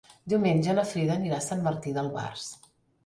Diumenge na Frida anirà a Sant Martí d'Albars.